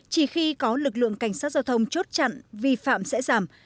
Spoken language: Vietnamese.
chỉ khi có lực lượng cảnh sát giao thông chốt chặn vi phạm sẽ giảm